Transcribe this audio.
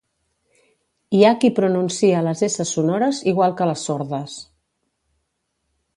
Hi ha qui pronuncia les esses sonores igual que les sordes